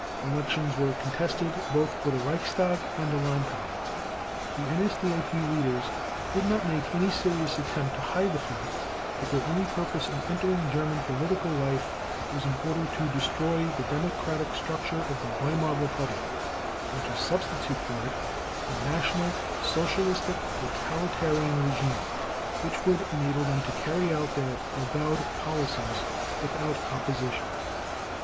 Elections were contested both for the Reichstag and the Landtage. The NSDAP leaders did not make any serious attempt to hide the fact that their only purpose in entering German political life was in order to destroy the democratic structure of the Weimar Republic, and to substitute for it a National Socialist totalitarian regime which would enable them to carry out their avowed policies without opposition.